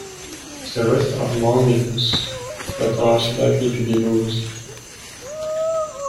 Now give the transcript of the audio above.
The rest are more ambiguous, but are also likely to be moose.